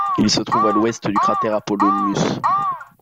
Il se trouve à l'ouest du cratère Apollonius.